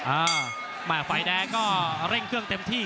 อ่าแม่ฝ่ายแดงก็เร่งเครื่องเต็มที่